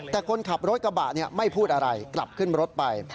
แต่คนขับรถกระบะไม่พูดอะไรกลับขึ้นรถไป